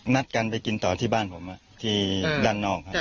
นัดกันไปกินต่อที่บ้านผมที่ด้านนอกครับ